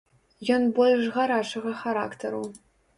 Ён больш гарачага характару.